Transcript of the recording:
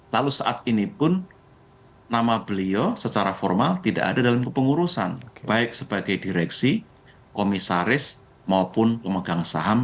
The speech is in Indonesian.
lalu saat ini pun nama beliau secara formal tidak ada dalam kepengurusan baik sebagai direksi komisaris maupun pemegang saham